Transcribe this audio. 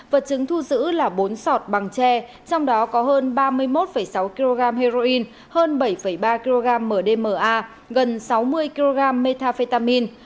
vật chứng thu giữ là bốn sọt bằng tre trong đó có hơn ba mươi một sáu kg heroin hơn bảy ba kg mdma gần sáu mươi kg metafetamin